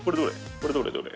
これどれどれ？